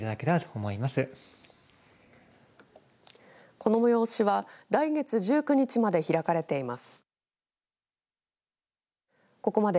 この催しは来月１９日まで開かれています。